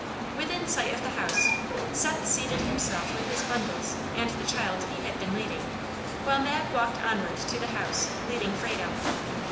Within sight of the house, Seth seated himself with his bundles and the child he had been leading, while Mag walked onward to the house leading Frado.